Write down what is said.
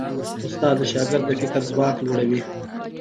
استاد د شاګرد د فکر ځواک لوړوي.